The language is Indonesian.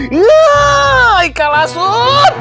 ya ikal asur